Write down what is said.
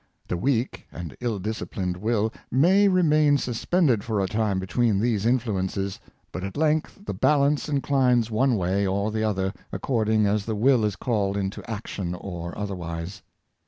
The weak and ill disci plined will may remain suspended for a time between these influences; but at length the balance inclines one way or the other, according as the will is called into action or otherwise.